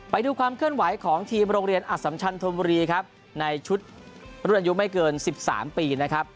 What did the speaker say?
ไปดูความเคลื่อนไหวของทีมโรงเรียนอสัมชันธมบุรีครับในชุดรุ่นอายุไม่เกิน๑๓ปีนะครับ